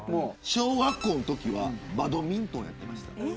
小学校のときはバドミントンをやってました。